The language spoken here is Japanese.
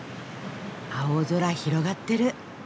青空広がってる。